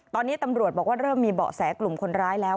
ตอนนี้ตำรวจบอกว่าเริ่มมีเบาะแสกลุ่มคนร้ายแล้ว